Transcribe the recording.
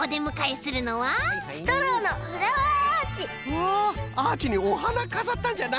わあっアーチにおはなかざったんじゃな！